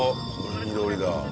緑だ。